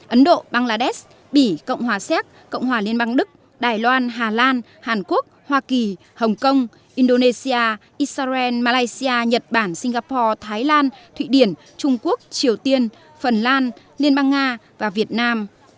ấn độ bangladesh bỉ cộng hòa séc cộng hòa liên bang đức đài loan hà lan hàn quốc hoa kỳ hồng kông indonesia israel malaysia nhật bản singapore thái lan thụy điển trung quốc triều tiên phần lan liên bang nga và việt nam